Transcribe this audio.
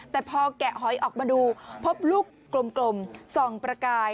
แต่พอแกะหอยออกมาดูพบลูกกลมส่องประกาย